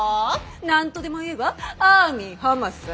何とでも言えばアーミー浜さん。